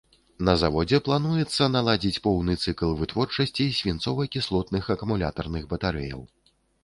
На заводзе плануецца наладзіць поўны цыкл вытворчасці свінцова-кіслотных акумулятарных батарэяў.